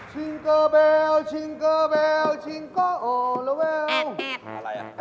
ชิงเกอร์แบลชิงเกอร์แบลชิงเกอร์โอลาแวล